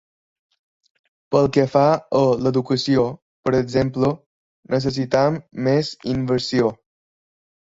Pel que fa a l’educació, per exemple, necessitem més inversió.